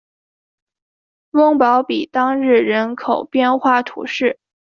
翁堡比当日人口变化图示